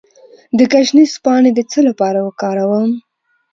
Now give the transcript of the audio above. د ګشنیز پاڼې د څه لپاره وکاروم؟